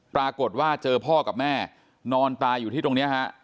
ปรากฏว่าเจอพ่อกับแม่นอนตายอยู่ที่ตรงนี้ฮะ